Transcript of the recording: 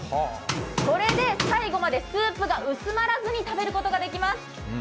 これで最後までスープが薄まらずに食べることができます。